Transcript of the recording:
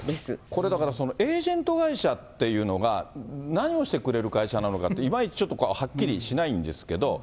これだから、エージェント会社というのが、何をしてくれる会社なのかって、いまいちちょっとはっきりしないんですけど。